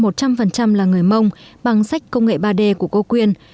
trăm là người mông bằng sách công nghệ ba d của cô quyên